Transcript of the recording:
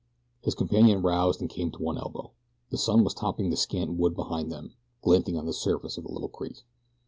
His companion roused and came to one elbow. The sun was topping the scant wood behind them, glinting on the surface of the little creek.